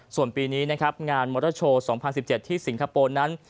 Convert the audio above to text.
ส่วนปีนี้นะครับงานมอเตอร์โชว์๒๐๑๗ที่สิงคโปร์นั้น